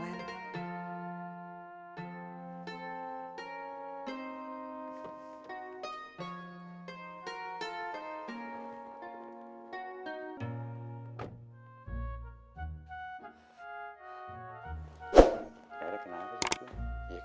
rere kenapa gitu